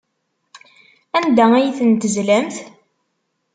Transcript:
Anda ay ten-tezlamt?